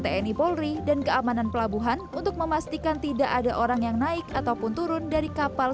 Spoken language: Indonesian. tni polri dan keamanan pelabuhan untuk memastikan tidak ada orang yang naik ataupun turun dari kapal